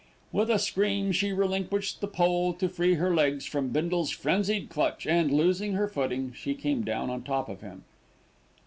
With a scream she relinquished the pole to free her legs from Bindle's frenzied clutch and, losing her footing, she came down on top of him.